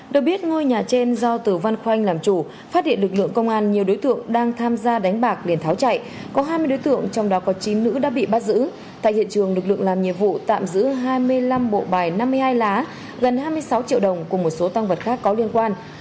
được biết ngôi nhà trên do tử văn khoanh làm chủ phát hiện lực lượng công an nhiều đối tượng đang tham gia đánh bạc để tháo chạy có hai mươi đối tượng trong đó có chín nữ đã bị bắt giữ tại hiện trường lực lượng làm nhiệm vụ tạm giữ hai mươi năm bộ bài năm mươi hai lá gần hai mươi sáu triệu đồng cùng một số tăng vật khác có liên quan